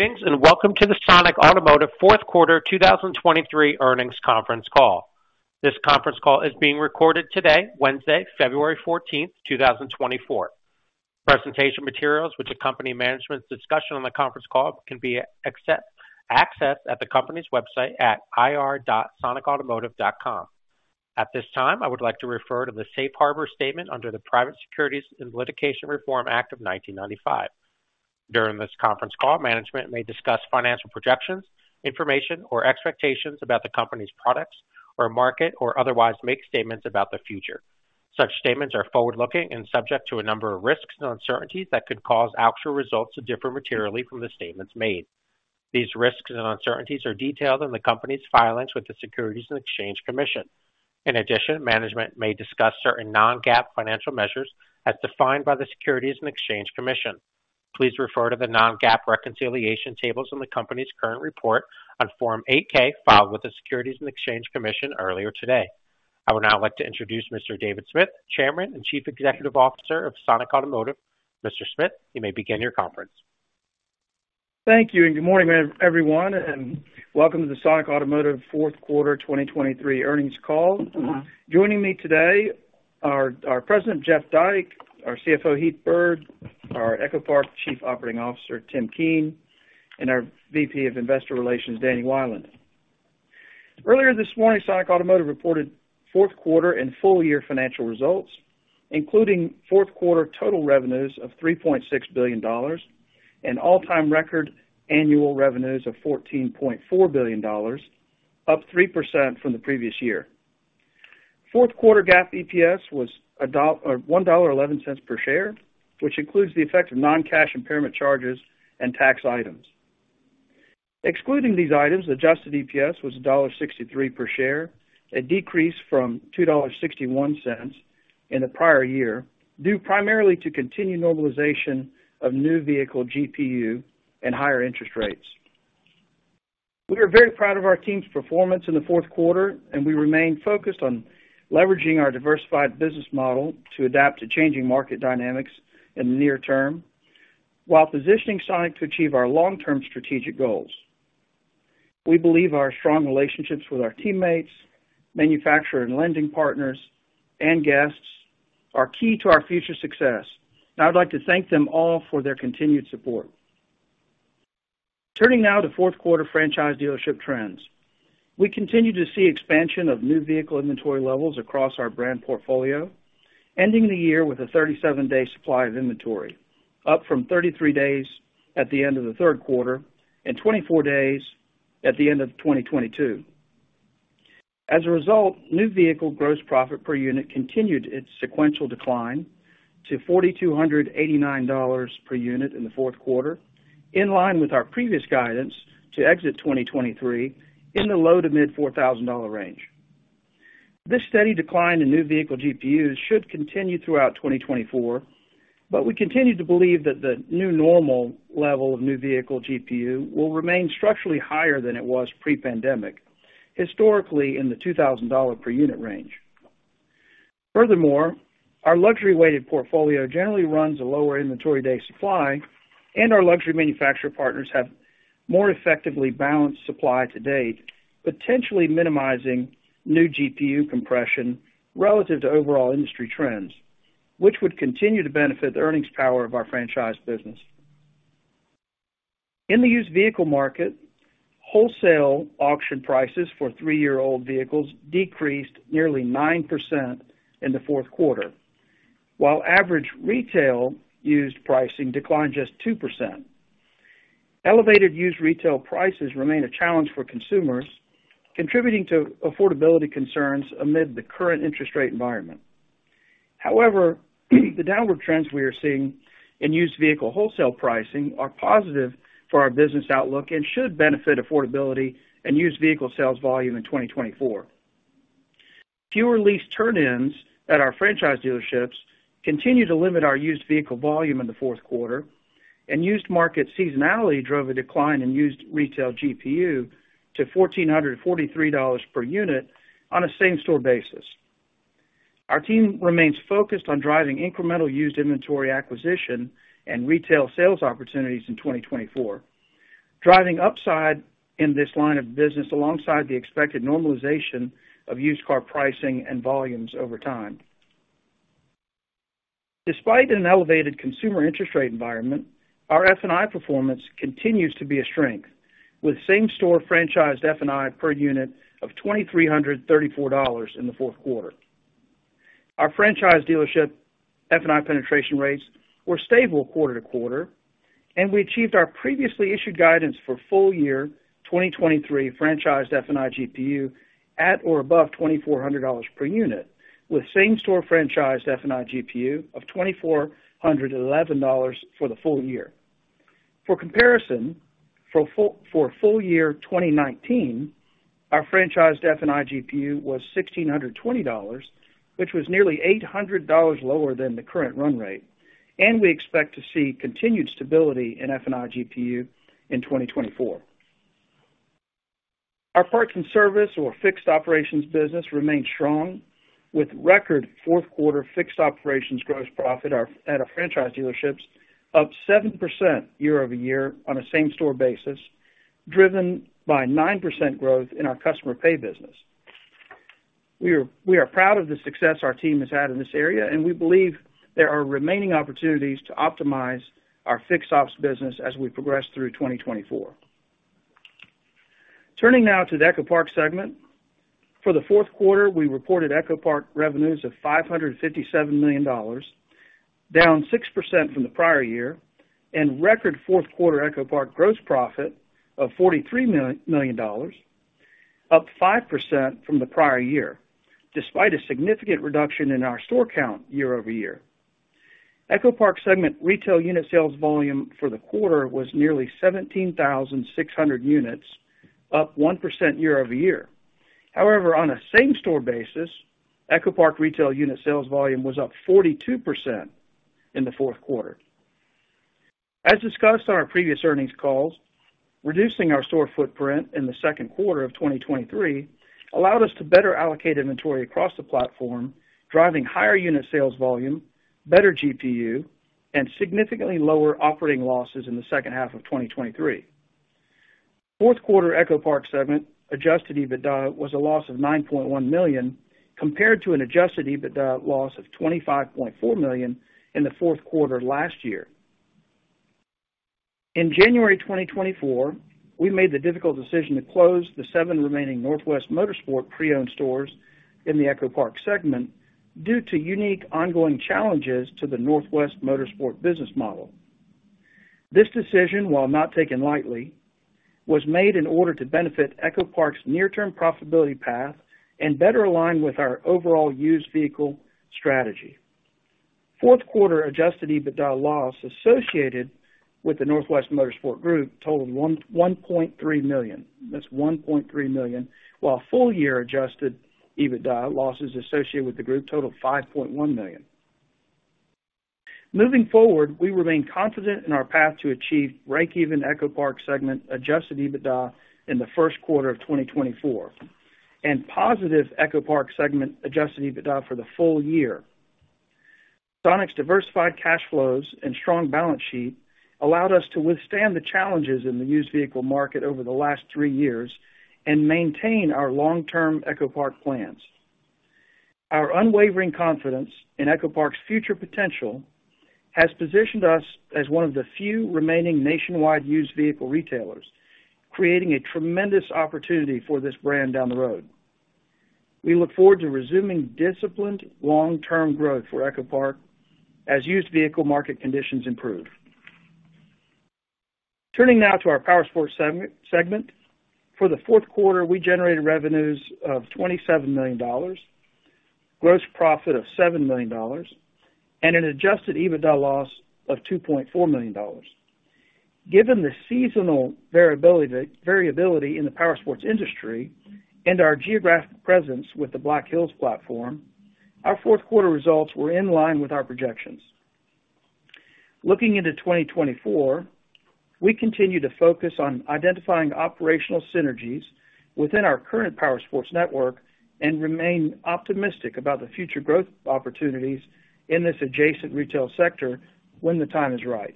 Greetings, and welcome to the Sonic Automotive fourth quarter 2023 earnings conference call. This conference call is being recorded today, Wednesday, February 14th, 2024. Presentation materials with the company management's discussion on the conference call can be accessed at the company's website at ir.sonicautomotive.com. At this time, I would like to refer to the Safe Harbor statement under the Private Securities Litigation Reform Act of 1995. During this conference call, management may discuss financial projections, information, or expectations about the company's products or market, or otherwise make statements about the future. Such statements are forward-looking and subject to a number of risks and uncertainties that could cause actual results to differ materially from the statements made. These risks and uncertainties are detailed in the company's filings with the Securities and Exchange Commission. In addition, management may discuss certain Non-GAAP financial measures as defined by the Securities and Exchange Commission. Please refer to the Non-GAAP reconciliation tables in the company's current report on Form 8-K, filed with the Securities and Exchange Commission earlier today. I would now like to introduce Mr. David Smith, Chairman and Chief Executive Officer of Sonic Automotive. Mr. Smith, you may begin your conference. Thank you, and good morning, everyone, and welcome to the Sonic Automotive fourth quarter 2023 earnings call. Joining me today are our President, Jeff Dyke, our CFO, Heath Byrd, our EchoPark Chief Operating Officer, Tim Keen, and our VP of Investor Relations, Danny Wieland. Earlier this morning, Sonic Automotive reported fourth quarter and full-year financial results, including fourth quarter total revenues of $3.6 billion and all-time record annual revenues of $14.4 billion, up 3% from the previous year. Fourth quarter GAAP EPS was $1.11 per share, which includes the effect of non-cash impairment charges and tax items. Excluding these items, adjusted EPS was $1.63 per share, a decrease from $2.61 in the prior year, due primarily to continued normalization of new vehicle GPU and higher interest rates. We are very proud of our team's performance in the fourth quarter, and we remain focused on leveraging our diversified business model to adapt to changing market dynamics in the near term, while positioning Sonic to achieve our long-term strategic goals. We believe our strong relationships with our teammates, manufacturer and lending partners, and guests are key to our future success, and I'd like to thank them all for their continued support. Turning now to fourth quarter franchise dealership trends. We continue to see expansion of new vehicle inventory levels across our brand portfolio, ending the year with a 37-day supply of inventory, up from 33 days at the end of the third quarter and 24 days at the end of 2022. As a result, new vehicle gross profit per unit continued its sequential decline to $4,289 per unit in the fourth quarter, in line with our previous guidance to exit 2023 in the low- to mid-$4,000 range. This steady decline in new vehicle GPUs should continue throughout 2024, but we continue to believe that the new normal level of new vehicle GPU will remain structurally higher than it was pre-pandemic, historically, in the $2,000 per unit range. Furthermore, our luxury-weighted portfolio generally runs a lower inventory day supply, and our luxury manufacturer partners have more effectively balanced supply to date, potentially minimizing new GPU compression relative to overall industry trends, which would continue to benefit the earnings power of our franchise business. In the used vehicle market, wholesale auction prices for three-year-old vehicles decreased nearly 9% in the fourth quarter, while average retail used pricing declined just 2%. Elevated used retail prices remain a challenge for consumers, contributing to affordability concerns amid the current interest rate environment. However, the downward trends we are seeing in used vehicle wholesale pricing are positive for our business outlook and should benefit affordability and used vehicle sales volume in 2024. Fewer lease turn-ins at our franchise dealerships continued to limit our used vehicle volume in the fourth quarter, and used market seasonality drove a decline in used retail GPU to $1,443 per unit on a same-store basis. Our team remains focused on driving incremental used inventory acquisition and retail sales opportunities in 2024, driving upside in this line of business alongside the expected normalization of used car pricing and volumes over time. Despite an elevated consumer interest rate environment, our F&I performance continues to be a strength, with same store franchised F&I per unit of $2,334 in the fourth quarter. Our franchise dealership F&I penetration rates were stable quarter-over-quarter, and we achieved our previously issued guidance for full year 2023 franchised F&I GPU at or above $2,400 per unit, with same store franchised F&I GPU of $2,411 for the full year. For comparison, for full year 2019, our franchised F&I GPU was $1,620, which was nearly $800 lower than the current run rate, and we expect to see continued stability in F&I GPU in 2024. Our parts and service or fixed operations business remained strong, with record fourth quarter fixed operations gross profit at our franchise dealerships up 7% year-over-year on a same-store basis, driven by 9% growth in our customer pay business. We are proud of the success our team has had in this area, and we believe there are remaining opportunities to optimize our fixed ops business as we progress through 2024. Turning now to the EchoPark segment. For the fourth quarter, we reported EchoPark revenues of $557 million, down 6% from the prior year, and record fourth quarter EchoPark gross profit of $43 million, up 5% from the prior year, despite a significant reduction in our store count year-over-year. EchoPark segment retail unit sales volume for the quarter was nearly 17,600 units, up 1% year-over-year. However, on a same-store basis, EchoPark retail unit sales volume was up 42% in the fourth quarter. As discussed on our previous earnings calls, reducing our store footprint in the second quarter of 2023 allowed us to better allocate inventory across the platform, driving higher unit sales volume, better GPU, and significantly lower operating losses in the second half of 2023. Fourth quarter EchoPark segment adjusted EBITDA was a loss of $9.1 million, compared to an adjusted EBITDA loss of $25.4 million in the fourth quarter last year. In January 2024, we made the difficult decision to close the seven remaining Northwest Motorsport pre-owned stores in the EchoPark segment due to unique ongoing challenges to the Northwest Motorsport business model. This decision, while not taken lightly, was made in order to benefit EchoPark's near-term profitability path and better align with our overall used vehicle strategy. Fourth quarter adjusted EBITDA loss associated with the Northwest Motorsport Group totaled $1.3 million. That's $1.3 million, while full-year adjusted EBITDA losses associated with the group totaled $5.1 million. Moving forward, we remain confident in our path to achieve breakeven EchoPark segment adjusted EBITDA in the first quarter of 2024, and positive EchoPark segment adjusted EBITDA for the full year. Sonic's diversified cash flows and strong balance sheet allowed us to withstand the challenges in the used vehicle market over the last three years and maintain our long-term EchoPark plans. Our unwavering confidence in EchoPark's future potential has positioned us as one of the few remaining nationwide used vehicle retailers, creating a tremendous opportunity for this brand down the road. We look forward to resuming disciplined, long-term growth for EchoPark as used vehicle market conditions improve. Turning now to our Powersports segment. For the fourth quarter, we generated revenues of $27 million, gross profit of $7 million, and an adjusted EBITDA loss of $2.4 million. Given the seasonal variability, variability in the powersports industry and our geographic presence with the Black Hills platform, our fourth quarter results were in line with our projections. Looking into 2024, we continue to focus on identifying operational synergies within our current powersports network and remain optimistic about the future growth opportunities in this adjacent retail sector when the time is right.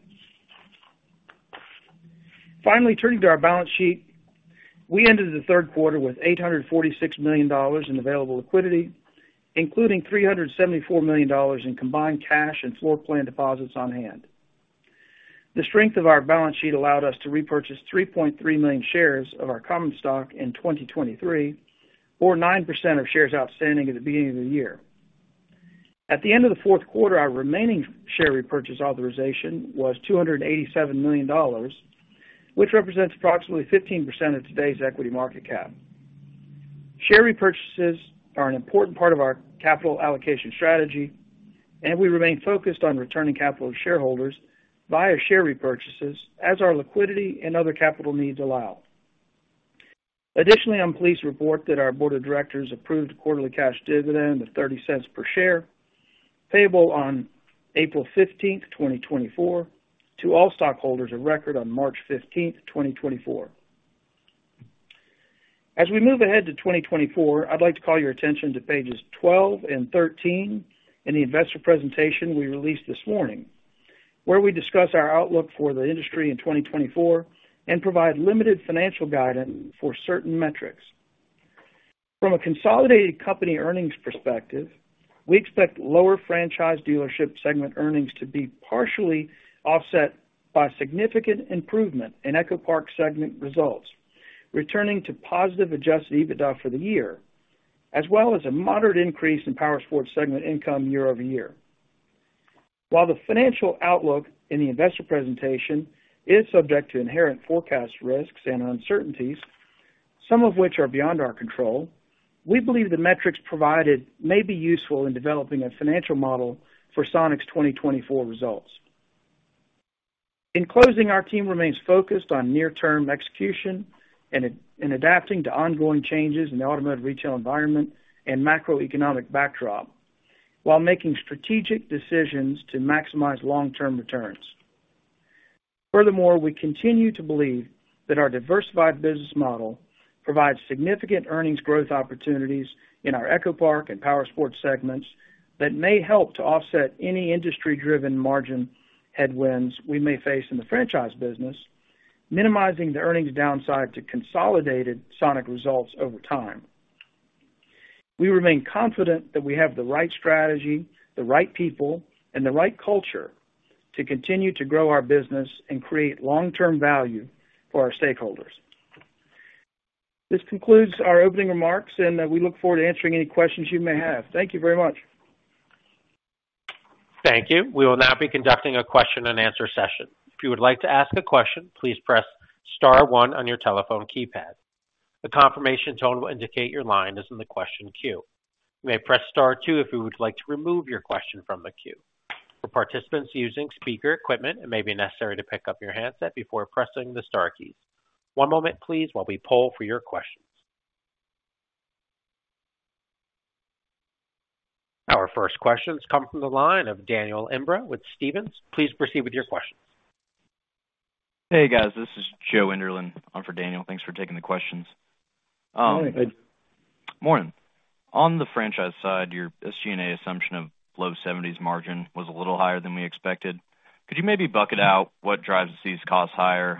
Finally, turning to our balance sheet. We ended the third quarter with $846 million in available liquidity, including $374 million in combined cash and floorplan deposits on hand. The strength of our balance sheet allowed us to repurchase 3.3 million shares of our common stock in 2023, or 9% of shares outstanding at the beginning of the year. At the end of the fourth quarter, our remaining share repurchase authorization was $287 million, which represents approximately 15% of today's equity market cap. Share repurchases are an important part of our capital allocation strategy, and we remain focused on returning capital to shareholders via share repurchases as our liquidity and other capital needs allow. Additionally, I'm pleased to report that our board of directors approved a quarterly cash dividend of $0.30 per share, payable on April 15th, 2024, to all stockholders of record on March 15th, 2024. As we move ahead to 2024, I'd like to call your attention to pages 12 and 13 in the investor presentation we released this morning, where we discuss our outlook for the industry in 2024 and provide limited financial guidance for certain metrics. From a consolidated company earnings perspective, we expect lower franchise dealership segment earnings to be partially offset by significant improvement in EchoPark segment results, returning to positive adjusted EBITDA for the year, as well as a moderate increase in Powersports segment income year over year. While the financial outlook in the investor presentation is subject to inherent forecast risks and uncertainties, some of which are beyond our control, we believe the metrics provided may be useful in developing a financial model for Sonic's 2024 results. In closing, our team remains focused on near-term execution and adapting to ongoing changes in the automotive retail environment and macroeconomic backdrop, while making strategic decisions to maximize long-term returns. Furthermore, we continue to believe that our diversified business model provides significant earnings growth opportunities in our EchoPark and Powersports segments that may help to offset any industry-driven margin headwinds we may face in the franchise business, minimizing the earnings downside to consolidated Sonic results over time. We remain confident that we have the right strategy, the right people, and the right culture to continue to grow our business and create long-term value for our stakeholders. This concludes our opening remarks, and we look forward to answering any questions you may have. Thank you very much. Thank you. We will now be conducting a question-and-answer session. If you would like to ask a question, please press star one on your telephone keypad. A confirmation tone will indicate your line is in the question queue. You may press star two if you would like to remove your question from the queue. For participants using speaker equipment, it may be necessary to pick up your handset before pressing the star keys. One moment, please, while we poll for your questions. Our first questions come from the line of Daniel Imbro with Stephens. Please proceed with your questions. Hey, guys, this is Joe Enderlin in for Daniel. Thanks for taking the questions. Hi. Morning. On the franchise side, your SG&A assumption of low 70s margin was a little higher than we expected. Could you maybe bucket out what drives these costs higher?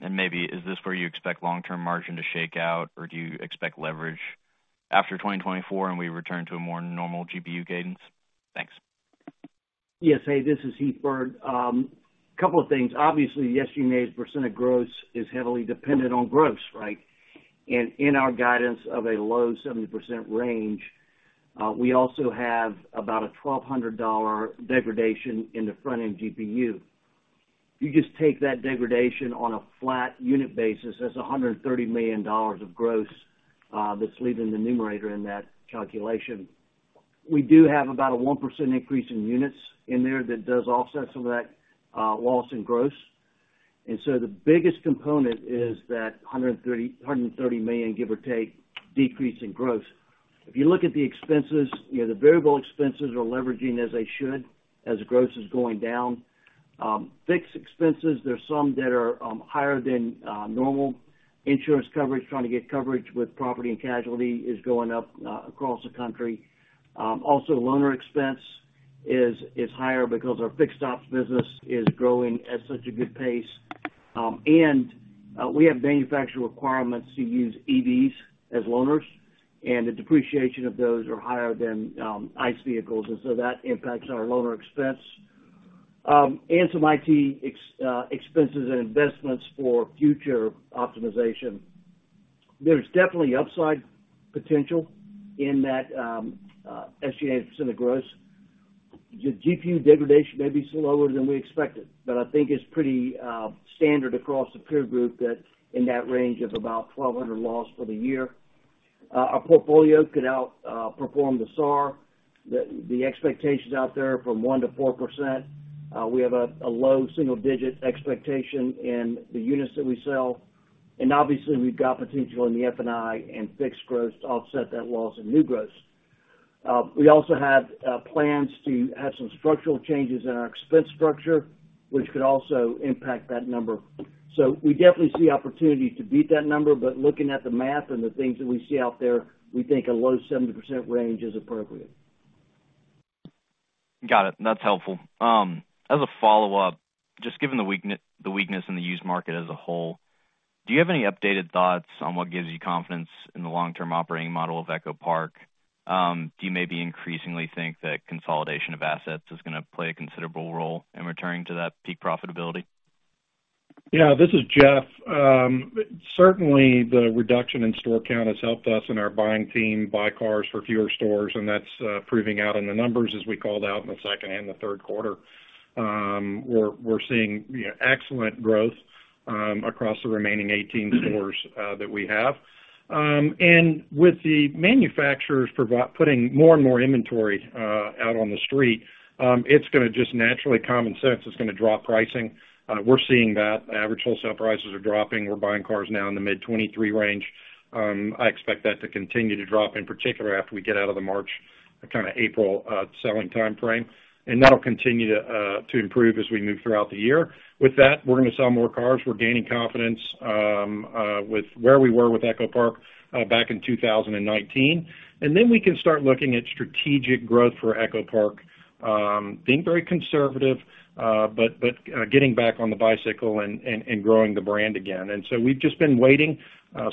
And maybe is this where you expect long-term margin to shake out, or do you expect leverage after 2024, and we return to a more normal GPU cadence? Thanks. Yes, hey, this is Heath Byrd. A couple of things. Obviously, the SG&A's percent of gross is heavily dependent on gross, right? And in our guidance of a low 70% range, we also have about a $1,200 degradation in the front-end GPU. If you just take that degradation on a flat unit basis, that's a $130 million of gross, that's leaving the numerator in that calculation. We do have about a 1% increase in units in there that does offset some of that, loss in gross. And so the biggest component is that $130 million, give or take, decrease in gross. If you look at the expenses, you know, the variable expenses are leveraging as they should, as the gross is going down. Fixed expenses, there are some that are higher than normal. Insurance coverage, trying to get coverage with property and casualty is going up across the country. Also, loaner expense is higher because our fixed ops business is growing at such a good pace. And we have manufacturer requirements to use EVs as loaners, and the depreciation of those are higher than ICE vehicles, and so that impacts our loaner expense. And some IT expenses and investments for future optimization. There's definitely upside potential in that SG&A percentage of gross. The GPU degradation may be slower than we expected, but I think it's pretty standard across the peer group that in that range of about $1,200 loss for the year. Our portfolio could outperform the SAR, the expectations out there from 1%-4%. We have a low single-digit expectation in the units that we sell, and obviously, we've got potential in the F&I and fixed gross to offset that loss in new gross. We also have plans to have some structural changes in our expense structure, which could also impact that number. So we definitely see opportunity to beat that number, but looking at the math and the things that we see out there, we think a low 70% range is appropriate. Got it. That's helpful. As a follow-up, just given the weakness in the used market as a whole, do you have any updated thoughts on what gives you confidence in the long-term operating model of EchoPark? Do you maybe increasingly think that consolidation of assets is gonna play a considerable role in returning to that peak profitability? Yeah, this is Jeff. Certainly, the reduction in store count has helped us and our buying team buy cars for fewer stores, and that's proving out in the numbers, as we called out in the second and the third quarter. We're seeing excellent growth across the remaining 18 stores that we have. And with the manufacturers providing more and more inventory out on the street, it's gonna just naturally, common sense, it's gonna drop pricing. We're seeing that. Average wholesale prices are dropping. We're buying cars now in the mid-$23,000 range. I expect that to continue to drop, in particular, after we get out of the March, kind of April selling timeframe, and that'll continue to improve as we move throughout the year. With that, we're gonna sell more cars. We're gaining confidence with where we were with EchoPark back in 2019, and then we can start looking at strategic growth for EchoPark, being very conservative, but getting back on the bicycle and growing the brand again. And so we've just been waiting.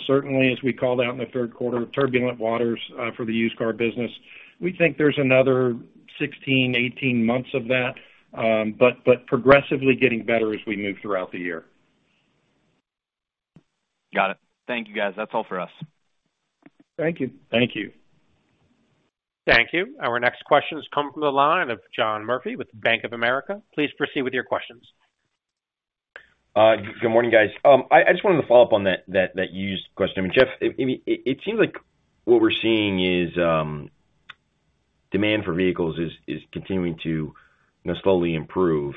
Certainly, as we called out in the third quarter, turbulent waters for the used car business. We think there's another 16-18 months of that, but progressively getting better as we move throughout the year. Got it. Thank you, guys. That's all for us. Thank you. Thank you. Thank you. Our next question has come from the line of John Murphy with Bank of America. Please proceed with your questions. Good morning, guys. I just wanted to follow up on that used question. I mean, Jeff, I mean, it seems like what we're seeing is demand for vehicles is continuing to, you know, slowly improve.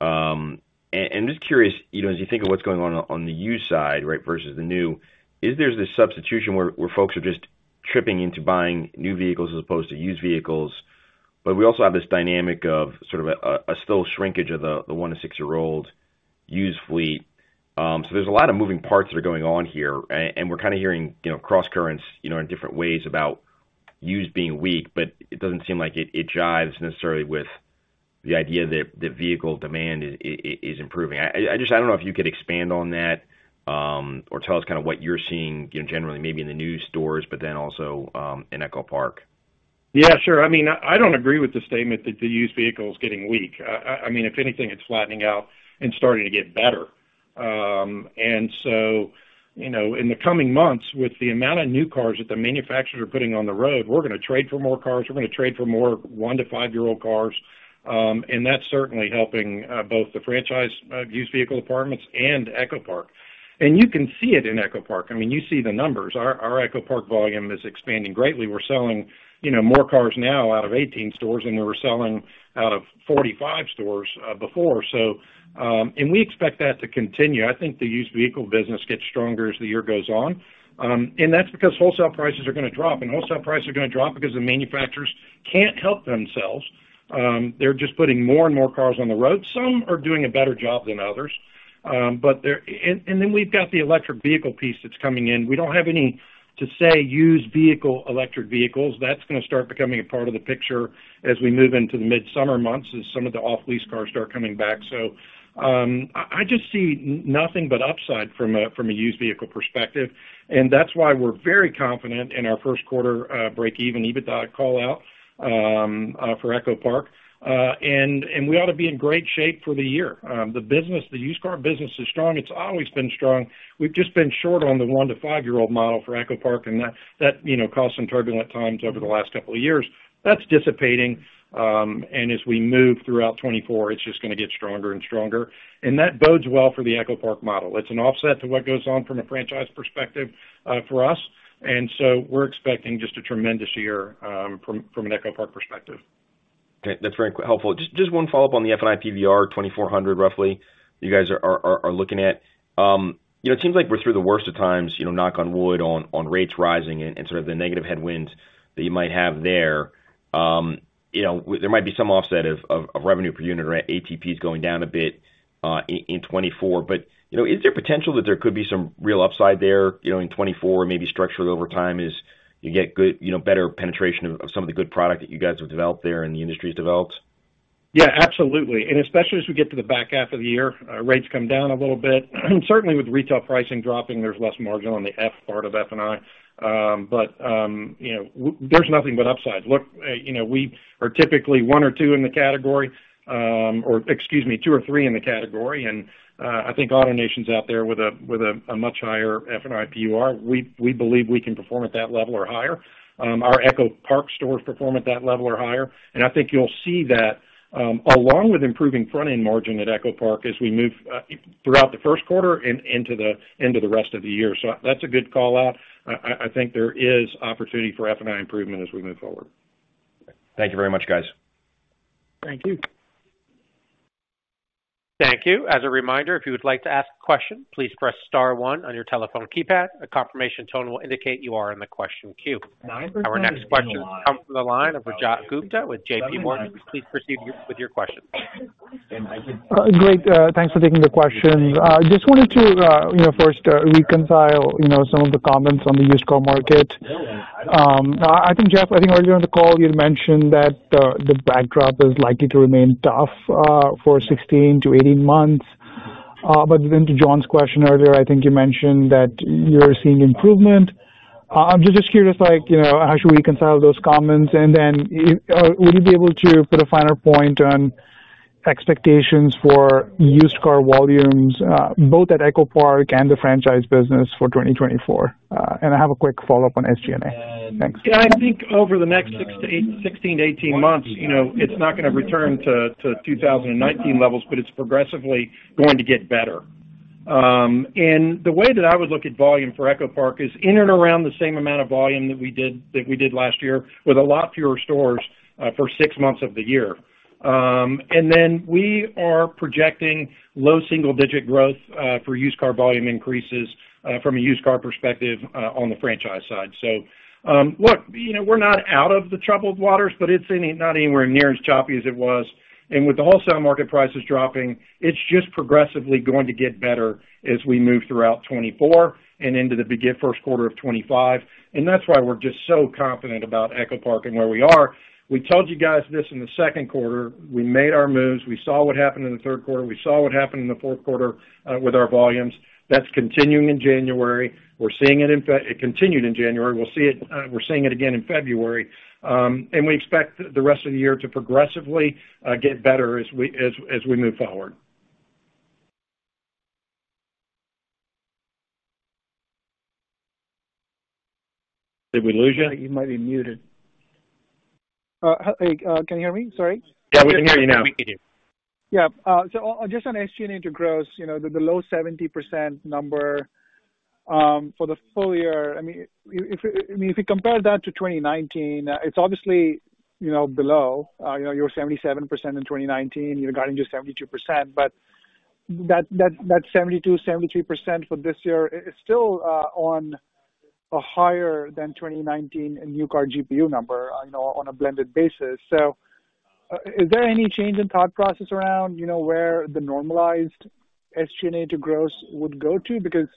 And just curious, you know, as you think of what's going on, on the used side, right, versus the new, is there this substitution where folks are just tripping into buying new vehicles as opposed to used vehicles. But we also have this dynamic of sort of a still shrinkage of the 1- to 6-year-old used fleet. So there's a lot of moving parts that are going on here, and we're kind of hearing, you know, cross currents, you know, in different ways about used being weak, but it doesn't seem like it jives necessarily with the idea that the vehicle demand is improving. I just—I don't know if you could expand on that, or tell us kind of what you're seeing, you know, generally maybe in the new stores, but then also in EchoPark. Yeah, sure. I mean, I don't agree with the statement that the used vehicle is getting weak. I mean, if anything, it's flattening out and starting to get better. And so, you know, in the coming months, with the amount of new cars that the manufacturers are putting on the road, we're gonna trade for more cars, we're gonna trade for more 1- to 5-year-old cars. And that's certainly helping both the franchise used vehicle departments and EchoPark. And you can see it in EchoPark. I mean, you see the numbers. Our EchoPark volume is expanding greatly. We're selling, you know, more cars now out of 18 stores than we were selling out of 45 stores before. So, and we expect that to continue. I think the used vehicle business gets stronger as the year goes on. And that's because wholesale prices are gonna drop, and wholesale prices are gonna drop because the manufacturers can't help themselves. They're just putting more and more cars on the road. Some are doing a better job than others. But there. And then we've got the electric vehicle piece that's coming in. We don't have any, to say, used vehicle, electric vehicles. That's gonna start becoming a part of the picture as we move into the mid-summer months, as some of the off-lease cars start coming back. So, I just see nothing but upside from a, from a used vehicle perspective, and that's why we're very confident in our first quarter, break even EBITDA call out, for EchoPark. And we ought to be in great shape for the year. The business, the used car business is strong. It's always been strong. We've just been short on the 1- to 5-year-old model for EchoPark, and that, you know, caused some turbulent times over the last couple of years. That's dissipating, and as we move throughout 2024, it's just gonna get stronger and stronger. And that bodes well for the EchoPark model. It's an offset to what goes on from a franchise perspective, for us, and so we're expecting just a tremendous year, from an EchoPark perspective. Okay, that's very helpful. Just one follow-up on the F&I PVR, 2,400, roughly, you guys are looking at. You know, it seems like we're through the worst of times, you know, knock on wood, on rates rising and sort of the negative headwinds that you might have there. You know, there might be some offset of revenue per unit, ATP is going down a bit in 2024. But, you know, is there potential that there could be some real upside there, you know, in 2024, maybe structured over time as you get good, you know, better penetration of some of the good product that you guys have developed there and the industry has developed? Yeah, absolutely. And especially as we get to the back half of the year, rates come down a little bit. Certainly, with retail pricing dropping, there's less margin on the F part of F&I. But, you know, there's nothing but upside. Look, you know, we are typically one or two in the category, or excuse me, two or three in the category, and I think AutoNation's out there with a much higher F&I PVR. We believe we can perform at that level or higher. Our EchoPark stores perform at that level or higher, and I think you'll see that, along with improving front-end margin at EchoPark as we move throughout the first quarter and into the end of the rest of the year. So that's a good call out. I think there is opportunity for F&I improvement as we move forward. Thank you very much, guys. Thank you. Thank you. As a reminder, if you would like to ask a question, please press star one on your telephone keypad. A confirmation tone will indicate you are in the question queue. Our next question comes from the line of Rajat Gupta with JPMorgan. Please proceed with your question. Great. Thanks for taking the question. Just wanted to, you know, first, reconcile, you know, some of the comments on the used car market. I think, Jeff, I think earlier on the call, you'd mentioned that the backdrop is likely to remain tough for 16-18 months. But then to John's question earlier, I think you mentioned that you're seeing improvement. I'm just curious, like, you know, how should we reconcile those comments? And then, would you be able to put a finer point on expectations for used car volumes, both at EchoPark and the franchise business for 2024? And I have a quick follow-up on SG&A. Thanks. Yeah, I think over the next 6-8, 16-18 months, you know, it's not gonna return to 2019 levels, but it's progressively going to get better. And the way that I would look at volume for EchoPark is in and around the same amount of volume that we did last year, with a lot fewer stores, for six months of the year. And then we are projecting low single-digit growth for used car volume increases from a used car perspective on the franchise side. So, look, you know, we're not out of the troubled waters, but it's not anywhere near as choppy as it was. With the wholesale market prices dropping, it's just progressively going to get better as we move throughout 2024 and into the first quarter of 2025, and that's why we're just so confident about EchoPark and where we are. We told you guys this in the second quarter. We made our moves. We saw what happened in the third quarter. We saw what happened in the fourth quarter with our volumes. That's continuing in January. It continued in January. We're seeing it again in February. And we expect the rest of the year to progressively get better as we move forward. Did we lose you? You might be muted. Hi, can you hear me? Sorry. Yeah, we can hear you now. We can hear you. Yeah, so just on SG&A to gross, you know, the low 70% number for the full year, I mean, if we compare that to 2019, it's obviously, you know, below. You know, you were 77% in 2019, you're guiding to 72%. But that 72%, 73% for this year is still on a higher than 2019 in new car GPU number, I know, on a blended basis. So, is there any change in thought process around, you know, where the normalized SG&A to gross would go to? Because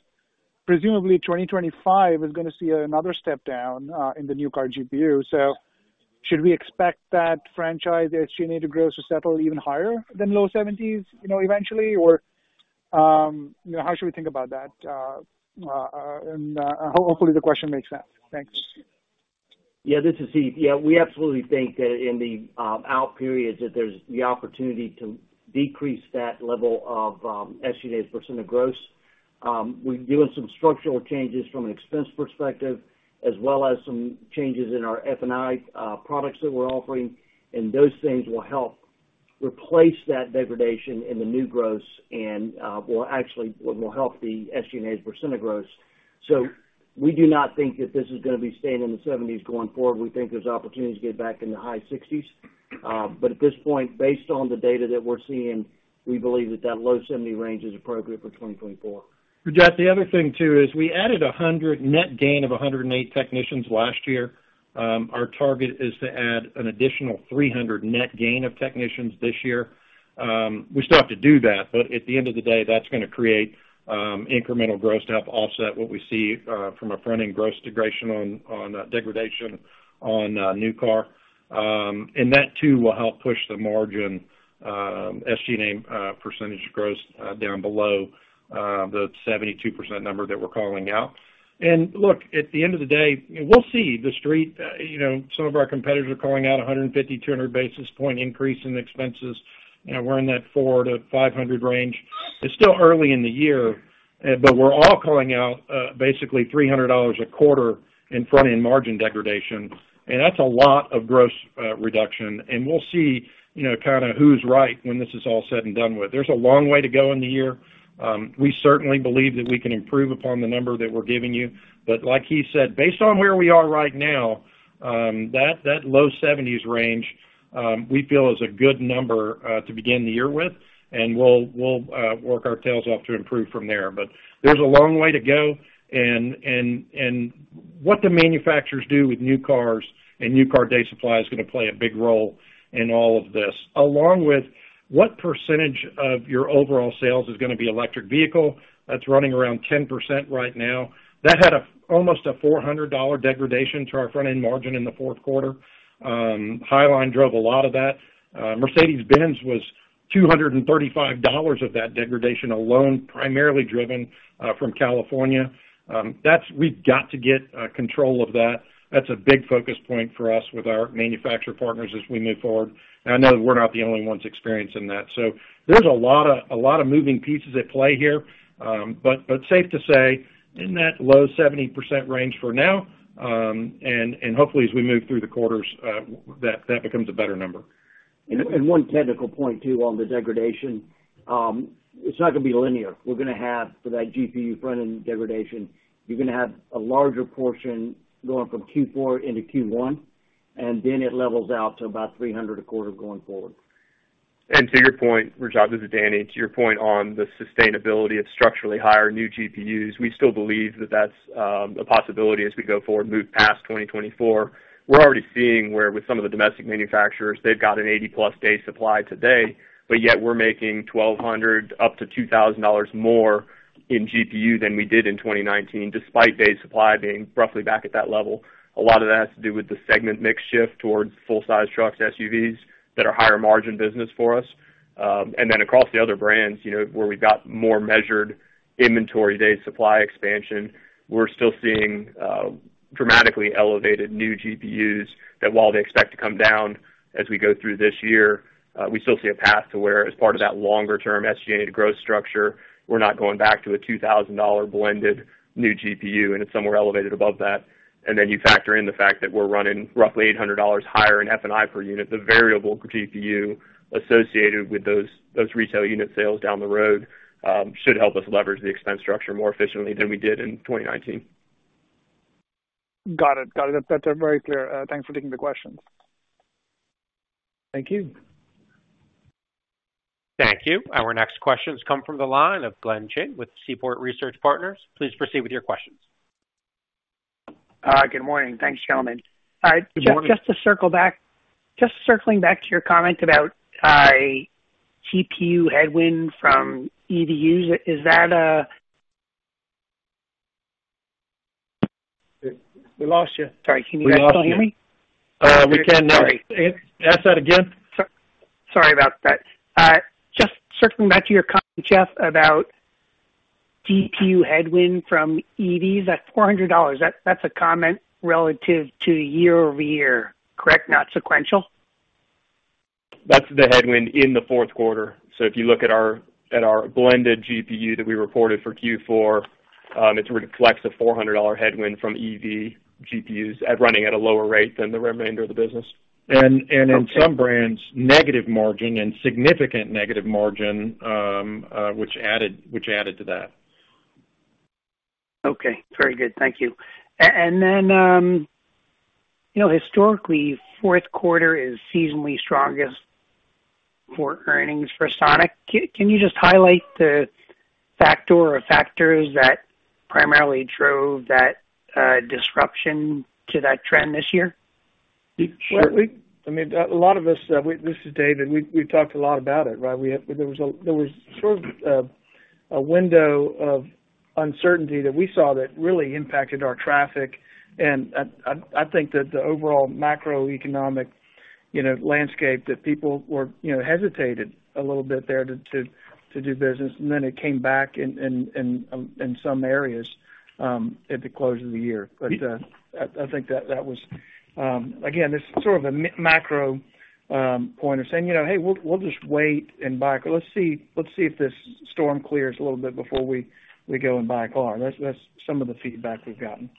presumably, 2025 is gonna see another step down in the new car GPU. So should we expect that franchise, the SG&A to gross, to settle even higher than low 70s, you know, eventually? Or, you know, how should we think about that? And hopefully, the question makes sense. Thanks. Yeah, this is Heath. Yeah, we absolutely think that in the out periods, that there's the opportunity to decrease that level of SG&A as a percent of gross. We're doing some structural changes from an expense perspective, as well as some changes in our F&I products that we're offering, and those things will help replace that degradation in the new gross and will actually help the SG&A as percent of gross. So we do not think that this is gonna be staying in the 70s going forward. We think there's opportunities to get back in the high 60s. But at this point, based on the data that we're seeing, we believe that that low 70% range is appropriate for 2024. Raj, the other thing, too, is we added 100 net gain of 108 technicians last year. Our target is to add an additional 300 net gain of technicians this year. We still have to do that, but at the end of the day, that's gonna create incremental growth to help offset what we see from a front-end gross degradation on degradation on new car. And that, too, will help push the margin SG&A percentage gross down below the 72% number that we're calling out. And look, at the end of the day, we'll see. The Street, you know, some of our competitors are calling out 150-200 basis point increase in expenses, and we're in that 400-500 range. It's still early in the year, but we're all calling out basically $300 a quarter in front-end margin degradation, and that's a lot of gross reduction. And we'll see, you know, kind of who's right when this is all said and done with. There's a long way to go in the year. We certainly believe that we can improve upon the number that we're giving you. But like Heath said, based on where we are right now, that low seventies range we feel is a good number to begin the year with, and we'll work our tails off to improve from there. But there's a long way to go, and what the manufacturers do with new cars and new car day supply is gonna play a big role in all of this, along with what percentage of your overall sales is gonna be electric vehicle. That's running around 10% right now. That had almost a $400 degradation to our front-end margin in the fourth quarter. Highline drove a lot of that. Mercedes-Benz was $235 of that degradation alone, primarily driven from California. That's. We've got to get control of that. That's a big focus point for us with our manufacturer partners as we move forward. And I know that we're not the only ones experiencing that. So there's a lot of moving pieces at play here. But safe to say, in that low 70% range for now, and hopefully, as we move through the quarters, that becomes a better number. And one technical point, too, on the degradation. It's not gonna be linear. We're gonna have, for that GPU front-end degradation, you're gonna have a larger portion going from Q4 into Q1, and then it levels out to about 300 a quarter going forward. To your point, Raj, this is Danny. To your point on the sustainability of structurally higher new GPUs, we still believe that that's a possibility as we go forward, move past 2024. We're already seeing where with some of the domestic manufacturers, they've got an 80+ day supply today, but yet we're making $1,200-$2,000 more in GPU than we did in 2019, despite day supply being roughly back at that level. A lot of that has to do with the segment mix shift towards full-size trucks, SUVs, that are higher margin business for us. And then across the other brands, you know, where we've got more measured inventory day supply expansion, we're still seeing dramatically elevated new GPUs, that while they expect to come down as we go through this year, we still see a path to where, as part of that longer term SG&A growth structure, we're not going back to a $2,000 blended new GPU, and it's somewhere elevated above that. And then you factor in the fact that we're running roughly $800 higher in F&I per unit. The variable GPU associated with those, those retail unit sales down the road, should help us leverage the expense structure more efficiently than we did in 2019. Got it. That's very clear. Thanks for taking the questions. Thank you. Thank you. Our next questions come from the line of Glenn Chin with Seaport Research Partners. Please proceed with your questions. Good morning. Thanks, gentlemen. Good morning. Just circling back to your comment about GPU headwind from EVUs, is that- We lost you. Sorry, can you guys still hear me? We can now. Ask that again. Sorry about that. Just circling back to your comment, Jeff, about GPU headwind from EVs, that $400, that, that's a comment relative to year-over-year, correct? Not sequential. That's the headwind in the fourth quarter. So if you look at our blended GPU that we reported for Q4, it reflects a $400 headwind from EV GPUs at running at a lower rate than the remainder of the business. And in some brands, negative margin and significant negative margin, which added to that. Okay, very good. Thank you. And then, you know, historically, fourth quarter is seasonally strongest for earnings for Sonic. Can you just highlight the factor or factors that primarily drove that disruption to that trend this year? Well, I mean, a lot of us, this is David, we've talked a lot about it, right? There was sort of a window of uncertainty that we saw that really impacted our traffic. And I think that the overall macroeconomic, you know, landscape, that people were, you know, hesitated a little bit there to do business, and then it came back in some areas at the close of the year. But I think that was... Again, this is sort of a macro point of saying, "You know, hey, we'll just wait and buy. Let's see if this storm clears a little bit before we go and buy a car." That's some of the feedback we've gotten.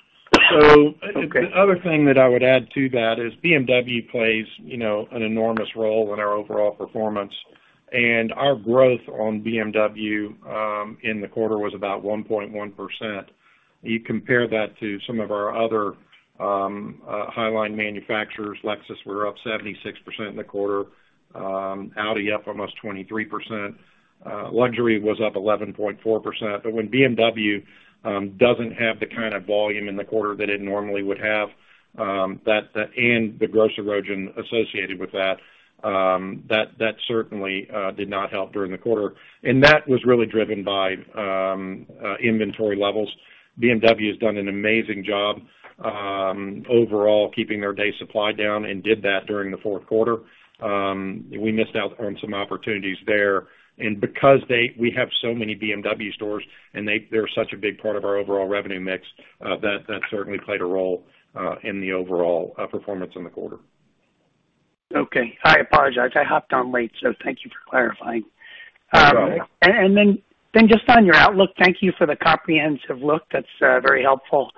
So- Okay. The other thing that I would add to that is BMW plays, you know, an enormous role in our overall performance, and our growth on BMW in the quarter was about 1.1%. You compare that to some of our other highline manufacturers, Lexus were up 76% in the quarter, Audi up almost 23%, luxury was up 11.4%. But when BMW doesn't have the kind of volume in the quarter that it normally would have, that and the gross erosion associated with that certainly did not help during the quarter. And that was really driven by inventory levels. BMW has done an amazing job overall, keeping their day supply down and did that during the fourth quarter. We missed out on some opportunities there. Because we have so many BMW stores, and they're such a big part of our overall revenue mix, that certainly played a role in the overall performance in the quarter. Okay. I apologize. I hopped on late, so thank you for clarifying. No problem. Then just on your outlook, thank you for the comprehensive look. That's very helpful.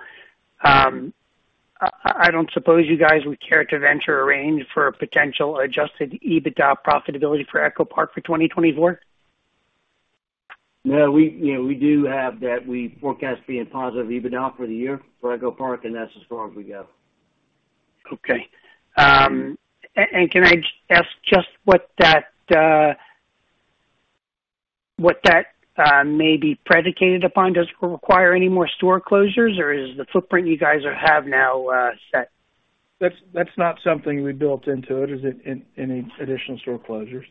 I don't suppose you guys would care to venture a range for a potential adjusted EBITDA profitability for EchoPark for 2024? No, we, you know, we do have that. We forecast being positive EBITDA for the year for EchoPark, and that's as far as we go. Okay. And can I ask just what that may be predicated upon? Does it require any more store closures, or is the footprint you guys have now set? That's not something we built into it, is it, any additional store closures.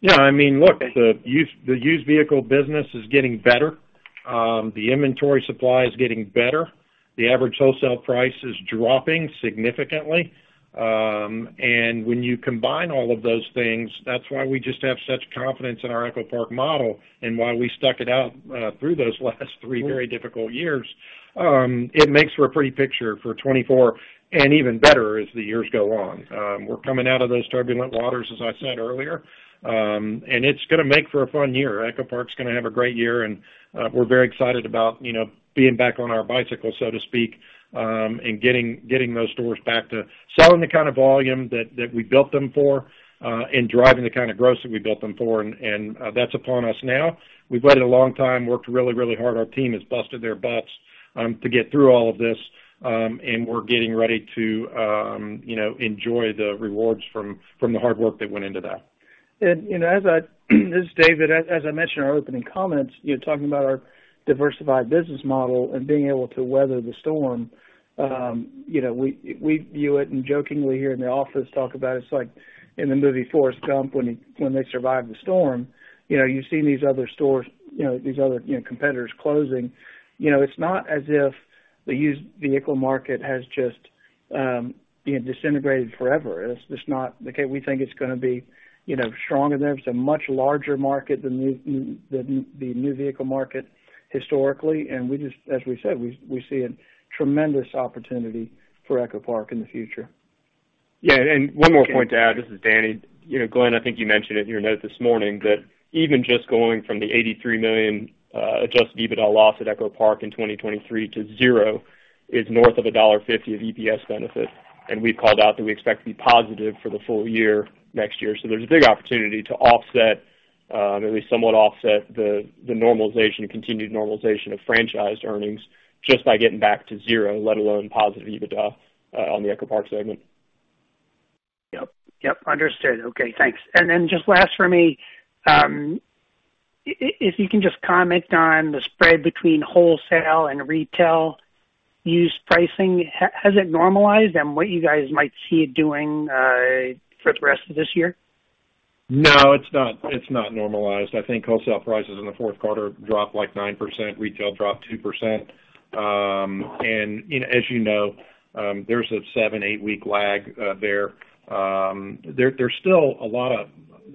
Yeah, I mean, look, the used vehicle business is getting better. The inventory supply is getting better. The average wholesale price is dropping significantly. And when you combine all of those things, that's why we just have such confidence in our EchoPark model and why we stuck it out through those last three very difficult years. It makes for a pretty picture for 2024, and even better as the years go on. We're coming out of those turbulent waters, as I said earlier, and it's gonna make for a fun year. EchoPark's gonna have a great year, and we're very excited about, you know, being back on our bicycle, so to speak, and getting those stores back to selling the kind of volume that we built them for, and driving the kind of gross that we built them for, and that's upon us now. We've waited a long time, worked really, really hard. Our team has busted their butts to get through all of this, and we're getting ready to, you know, enjoy the rewards from the hard work that went into that. You know, as I, this is David, as I mentioned in our opening comments, you know, talking about our diversified business model and being able to weather the storm, you know, we view it and jokingly here in the office talk about it. It's like in the movie Forrest Gump, when they survive the storm. You know, you've seen these other stores, you know, these other competitors closing. You know, it's not as if the used vehicle market has just, you know, disintegrated forever. It's not. Okay, we think it's gonna be, you know, stronger there. It's a much larger market than the new vehicle market historically, and we just, as we said, we see a tremendous opportunity for EchoPark in the future. Yeah, and one more point to add. This is Danny. You know, Glenn, I think you mentioned it in your note this morning, that even just going from the $83 million adjusted EBITDA loss at EchoPark in 2023 to zero, is north of $1.50 of EPS benefit, and we called out that we expect to be positive for the full year next year. So there's a big opportunity to offset, at least somewhat offset the, the normalization, continued normalization of franchised earnings just by getting back to zero, let alone positive EBITDA, on the EchoPark segment. Yep, understood. Okay, thanks. And then just last for me, if you can just comment on the spread between wholesale and retail used pricing. Has it normalized and what you guys might see it doing for the rest of this year? No, it's not, it's not normalized. I think wholesale prices in the fourth quarter dropped, like, 9%, retail dropped 2%. And, you know, there's a 7-8-week lag there. There's still a lot of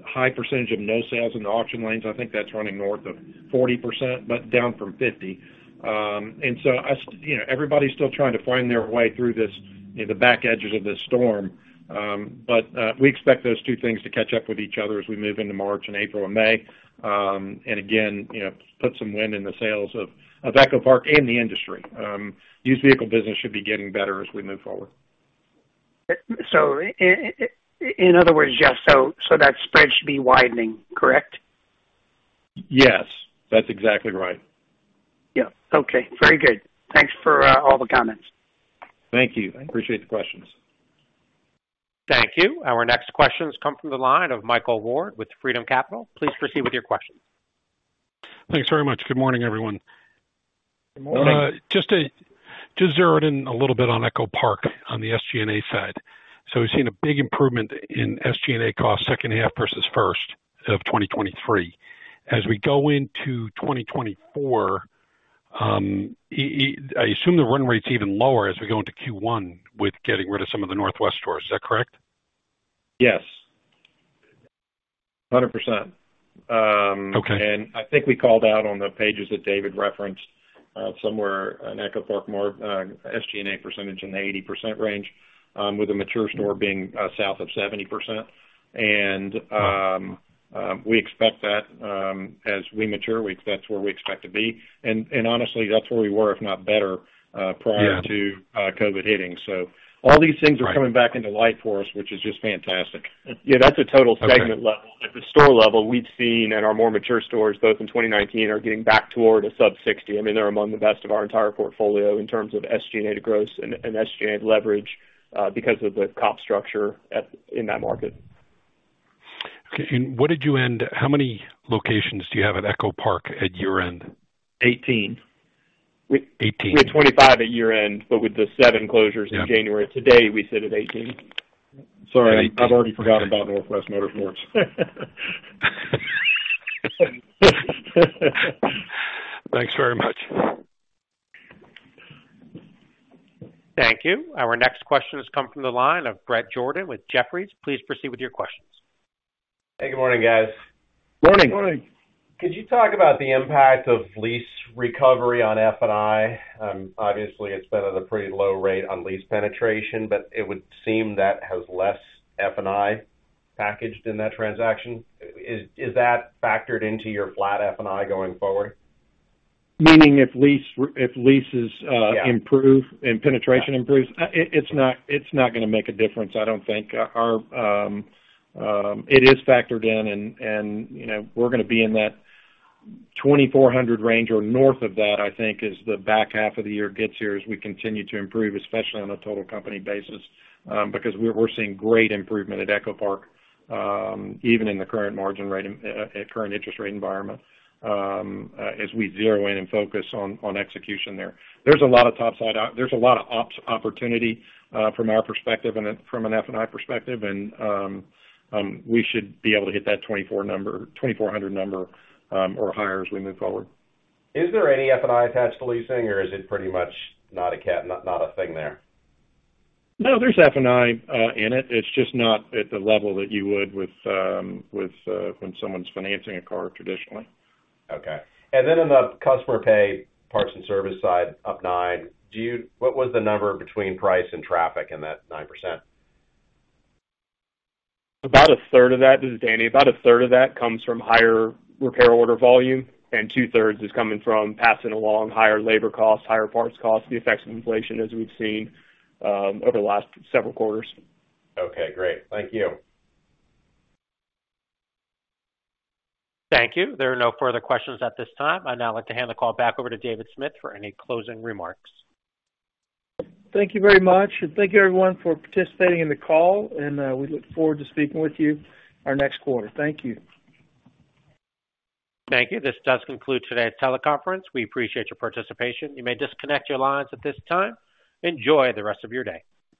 high percentage of no sales in the auction lanes. I think that's running north of 40%, but down from 50%. And so as- you know, everybody's still trying to find their way through this, you know, the back edges of this storm. But, we expect those two things to catch up with each other as we move into March and April and May, and again, you know, put some wind in the sails of EchoPark and the industry. Used vehicle business should be getting better as we move forward. So in other words, yes, so that spread should be widening, correct? Yes, that's exactly right. Yeah. Okay. Very good. Thanks for all the comments. Thank you. I appreciate the questions. Thank you. Our next questions come from the line of Michael Ward with Freedom Capital. Please proceed with your question. Thanks very much. Good morning, everyone. Good morning. Just to zero it in a little bit on EchoPark on the SG&A side. So we've seen a big improvement in SG&A costs, second half versus first of 2023. As we go into 2024, I assume the run rate's even lower as we go into Q1 with getting rid of some of the Northwest stores. Is that correct? Yes. 100%. Okay. I think we called out on the pages that David referenced, somewhere in EchoPark, more, SG&A percentage in the 80% range, with a mature store being south of 70%. We expect that, as we mature, we- that's where we expect to be. And honestly, that's where we were, if not better- Yeah. Prior to COVID hitting. So all these things are coming back into light for us, which is just fantastic. Yeah, that's a total segment level. At the store level, we've seen at our more mature stores, EchoPark in 2019, are getting back toward a sub-60%. I mean, they're among the best of our entire portfolio in terms of SG&A to gross and SG&A leverage because of the cost structure at, in that market. Okay. How many locations do you have at EchoPark at year-end? 18. 18? We had 25 at year-end, but with the 7 closures in January. Today, we sit at 18. Sorry, I've already forgotten about Northwest Motorsport. Thanks very much. Thank you. Our next question has come from the line of Bret Jordan with Jefferies. Please proceed with your questions. Hey, good morning, guys. Morning. Morning. Could you talk about the impact of lease recovery on F&I? Obviously, it's been at a pretty low rate on lease penetration, but it would seem that has less F&I packaged in that transaction. Is that factored into your flat F&I going forward? Meaning if leases improve and penetration improves? It, it's not, it's not gonna make a difference, I don't think. Our, it is factored in and, and, you know, we're gonna be in that $2,400 range or north of that, I think, as the back half of the year gets here, as we continue to improve, especially on a total company basis, because we're, we're seeing great improvement at EchoPark, even in the current margin rate, at current interest rate environment, as we zero in and focus on, on execution there. There's a lot of ops opportunity, from our perspective and from an F&I perspective, and, we should be able to hit that $2,400 number, $2,400 number, or higher as we move forward. Is there any F&I attached to leasing or is it pretty much not a thing there? No, there's F&I in it. It's just not at the level that you would with when someone's financing a car traditionally. Okay. And then in the customer pay, parts and service side, up 9%, what was the number between price and traffic in that 9%? About 1/3 of that. This is Danny. About 1/3 of that comes from higher repair order volume, and 2/3 is coming from passing along higher labor costs, higher parts costs, the effects of inflation as we've seen over the last several quarters. Okay, great. Thank you. Thank you. There are no further questions at this time. I'd now like to hand the call back over to David Smith for any closing remarks. Thank you very much, and thank you, everyone, for participating in the call, and we look forward to speaking with you our next quarter. Thank you. Thank you. This does conclude today's teleconference. We appreciate your participation. You may disconnect your lines at this time. Enjoy the rest of your day.